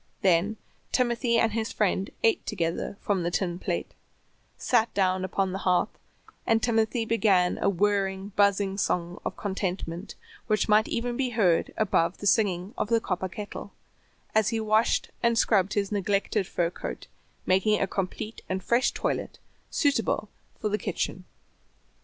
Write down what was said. Then Timothy and his friend ate together from the tin plate, sat down upon the hearth, and Timothy began a whirring, buzzing song of contentment which might be heard even above the singing of the copper kettle, as he washed and scrubbed his neglected fur coat, making a complete and fresh toilet suitable for the kitchen.